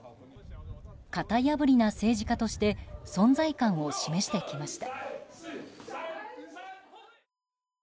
型破りな政治家として存在感を示してきました。